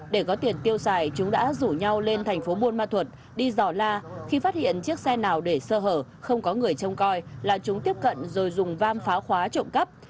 để có tiền tiêu xài chúng đã rủ nhau lên thành phố buôn ma thuật đi dò la khi phát hiện chiếc xe nào để sơ hở không có người trông coi là chúng tiếp cận rồi dùng vam phá khóa trộm cắp